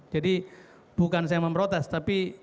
jadi bukan saya memprotes tapi